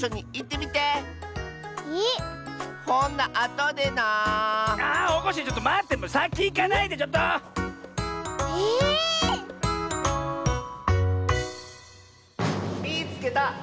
⁉「みいつけた！